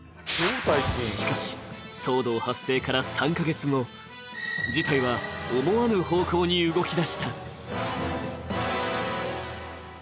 しかし、騒動発生から３か月後、事態は思わぬ方向に動きだした。